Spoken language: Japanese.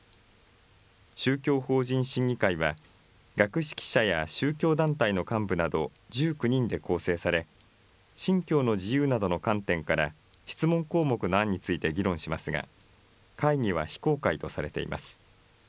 宗教法人審議会は学識者や宗教団体の幹部など１９人で構成され、信教の自由などの観点から、質問項目の案について議論しますが、会議は非公開とされています。